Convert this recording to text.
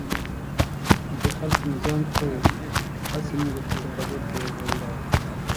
د خلق نظام ښه و، هسې مو د کفر ټاپې پرې ووهلې.